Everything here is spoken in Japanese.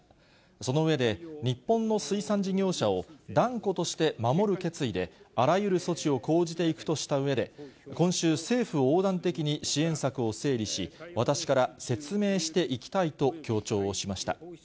その上で、日本の水産事業者を断固として守る決意で、あらゆる措置を講じていくとしたうえで、今週、政府横断的に支援策を整理し、私から説明していきたいと強調をしました。